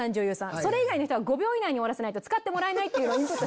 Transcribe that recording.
それ以外の人は５秒以内に終わらせないと使ってもらえない。